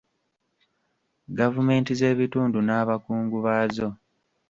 Gavumenti z'ebitundu n'abakungu baazo.